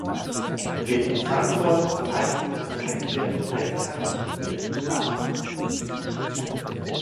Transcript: Gegen Frankfurt zeigten sich die Eisbären eiskalt und bärenstark.